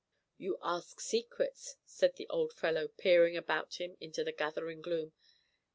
"You ask secrets," said the old fellow, peering about him into the gathering gloom.